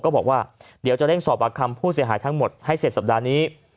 ก็บอกว่าเดี๋ยวจะเร่งสอบปากคำผู้เสียหายทั้งหมดให้เสร็จสัปดาห์นี้